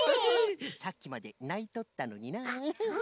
さっきまでないとったのにのう。